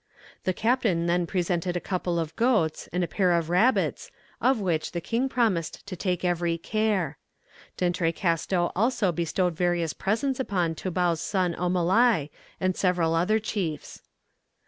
The captain then presented a couple of goats, and a pair of rabbits, of which the king promised to take every care. D'Entrecasteaux also bestowed various presents upon Toubau's son Omalai, and several other chiefs.